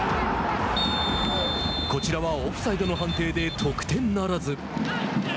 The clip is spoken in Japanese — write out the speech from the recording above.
こちらはオフサイドの判定で得点ならず。